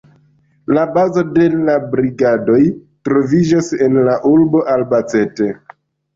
La bazo de la Brigadoj troviĝis en la urbo Albacete.